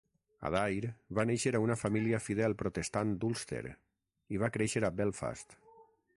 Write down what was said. Adair va néixer a una família fidel protestant d'Ulster i va créixer a Belfast.